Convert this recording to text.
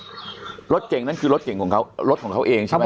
รถเก่งนั่นคือรถเก่งของเขารถของเขาเองใช่ไหม